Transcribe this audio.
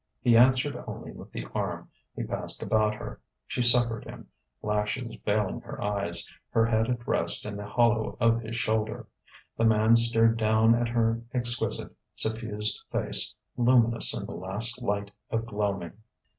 He answered only with the arm he passed about her. She suffered him, lashes veiling her eyes, her head at rest in the hollow of his shoulder. The man stared down at her exquisite, suffused face, luminous in the last light of gloaming.